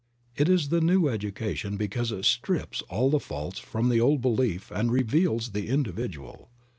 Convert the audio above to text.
It is the new education because it strips all the false from the old belief and reveals the individual.